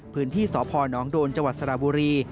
พื้นที่สพนโดนจสระบุรี